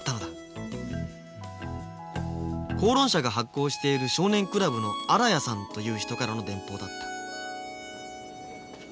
講論社が発行している「少年クラブ」の新谷さんという人からの電報だった